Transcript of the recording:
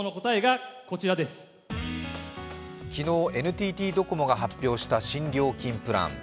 昨日、ＮＴＴドコモが発表した新料金プラン。